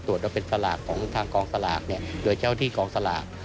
ว่าเป็นสลากของทางกองสลากเนี่ยโดยเจ้าที่กองสลาก